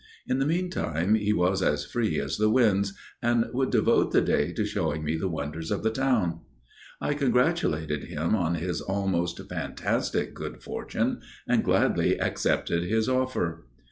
In the meantime he was as free as the winds, and would devote the day to showing me the wonders of the town. I congratulated him on his almost fantastic good fortune and gladly accepted his offer.